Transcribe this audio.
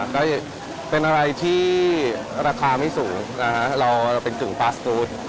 ก็เป็นอะไรที่ราคาไม่สูงเราเป็นกึ่งปลาสตูด